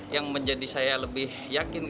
yang menjadi saya lebih yakin